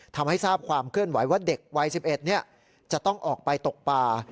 ทำให้ทราบความเคลื่อนไหวว่าเด็กวัย๑๑จะต้องออกไปตกป่า